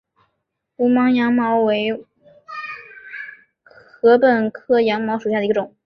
无芒羊茅为禾本科羊茅属下的一个种。